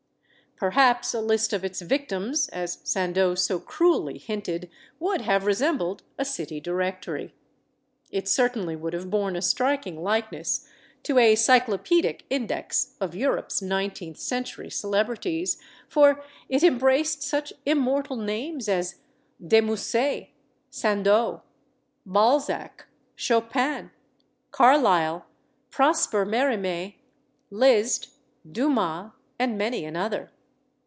Per haps a list of its victims, as Sandeau so cruelly hinted, would have resembled a city directory. It certainly would have borne a striking likeness to a cyclopedic index of Europe's nineteenth century celebrities; for it embraced such immortal names as De Musset, Sandeau, Balzac, Chopin, Carlyle, Prosper Merimee, Liszt, Dumas and many another.